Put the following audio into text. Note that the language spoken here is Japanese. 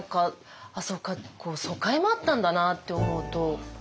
ああそうか疎開もあったんだなって思うと。